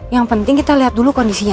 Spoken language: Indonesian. yang penting kita lihat dulu kondisinya